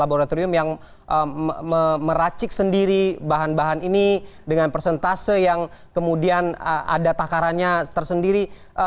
laboratorium yang meracik sendiri bahan bahan ini dengan persentase yang kemudian ada takarannya tersendiri